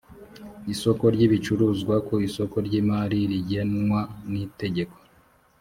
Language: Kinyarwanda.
isoko ry ibicuruzwa ku isoko ry’ imari rigenwa n’itegeko